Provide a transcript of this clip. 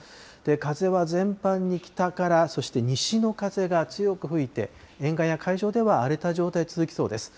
風は全般に北から、そして西の風が強く吹いて、沿岸や海上では荒れた状態続きそうです。